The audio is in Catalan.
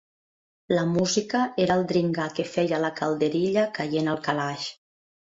La música era el dringar que feia la calderilla caient al calaix